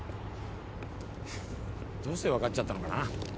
フフどうして分かっちゃったのかな。